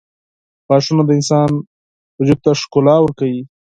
• غاښونه د انسان وجود ته ښکلا ورکوي.